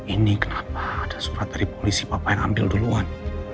ini kenapa ada surat dari polisi papa yang ambil duluan